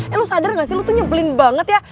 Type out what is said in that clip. eh lo sadar gak sih lu tuh nyebelin banget ya